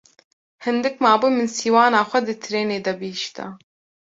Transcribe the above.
Hindik mabû min sîwana xwe di trênê de bihişta.